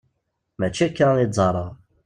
Mačči akka i ẓẓareɣ.